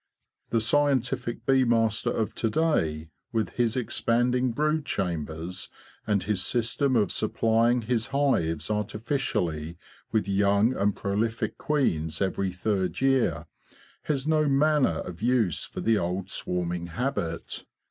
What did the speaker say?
The scientific bee master of to day, with his expanding brood chambers and his system of supplying his hives artificially with young and prolific queens every third year, has no manner of use for the old swarming habit.